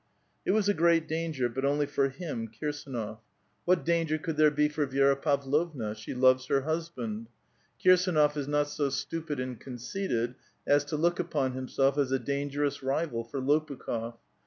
It was a great danger, but only for him, Kirsdnof. What A VITAL QUESTION. 207 changer could there be for Vi^ra Pavlovna? She loves her Xjusbaud. Kirsduof is not so stupid nod conceited as to look Xapon himself as a dangerous rival for Lopukh6f